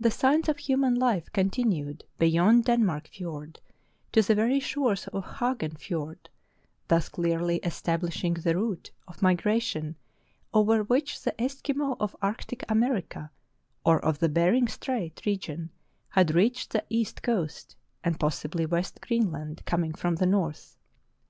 The signs of human life continued beyond Denmark Fiord to the very shores of Hagen Fiord, thus clearly 35^ True Tales of Arctic Heroism establishing the route of migration over which the Eskimo of Arctic America or of the Bering Strait re gion had reached the east coast, and possibly West Greenland, coming from the north.